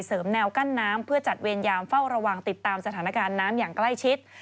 แนวกั้นน้ำเพื่อจัดเวรยามเฝ้าระวังติดตามสถานการณ์น้ำอย่างใกล้ชิด